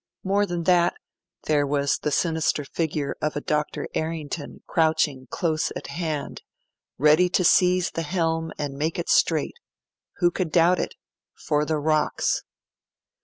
More than that; there was the sinister figure of a Dr. Errington crouching close at hand, ready to seize the helm and make straight who could doubt it? for the rocks.